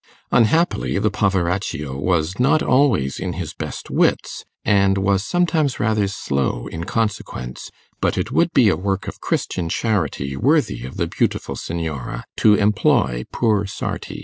Unhappily, the poveraccio was not always in his best wits, and was sometimes rather slow in consequence; but it would be a work of Christian charity worthy of the beautiful Signora to employ poor Sarti.